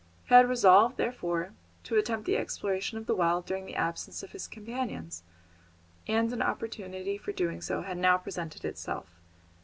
He had resolved, therefore, to attempt the exploration of the well during the absence of his companions, and an opportunity for doing so had now presented itself.